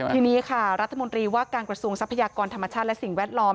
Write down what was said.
ทีนี้ค่ะรัฐมนตรีว่าการกระทรวงทรัพยากรธรรมชาติและสิ่งแวดล้อม